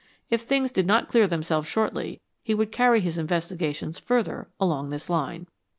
If things did not clear themselves shortly he would carry his investigations further along this line.